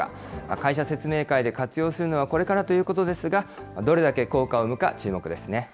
会社説明会で活用するのはこれからということですが、どれだけ効果を生むか注目ですね。